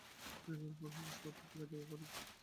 তিনি ও Wilfred Rhodes অত্যন্ত কার্যকর বোলিং আক্রমণ গড়ে তুলেন।